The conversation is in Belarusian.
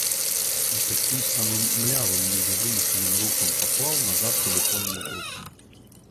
І такім самым млявым, нібы вымушаным рухам паклаў назад тэлефонную трубку.